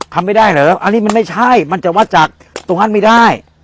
ทำไม่ได้เหรออันนี้มันไม่ใช่มันจะวัดจากตรงนั้นไม่ได้